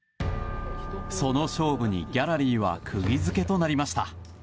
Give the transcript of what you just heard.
その勝負にギャラリーは釘付けとなりました。